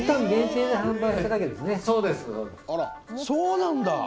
そうなんだ！